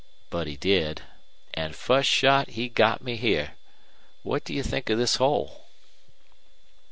But he did an' fust shot he got me here. What do you think of this hole?"